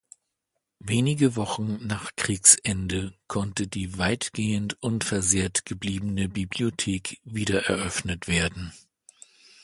Wenige Wochen nach Kriegsende konnte die weitgehend unversehrt gebliebene Bibliothek wiedereröffnet werden.